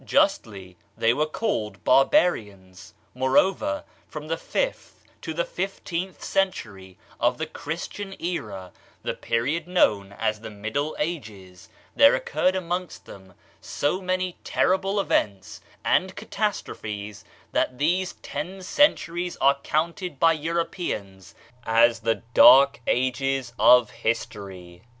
Justly were they called barbarians; moreover, from the fifth to the fifteenth century of the Christian era, the period known as the Mid dle Ages, there occurred amongst them so many terrible events and catastrophes, that these ten cen turies are counted by Europeans as the dark ages of history.